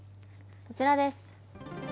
こちらです。